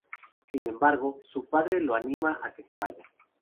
Sin embargo, su padre lo anima a que vaya.